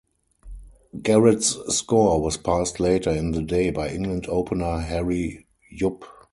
Garrett's score was passed later in the day by England opener, Harry Jupp.